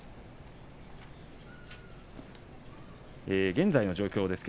現在の状況です。